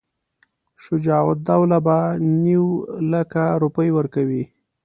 شجاع الدوله به نیوي لکه روپۍ ورکوي.